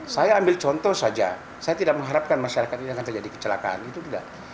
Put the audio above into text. saya ambil contoh saja saya tidak mengharapkan masyarakat ini akan terjadi kecelakaan itu tidak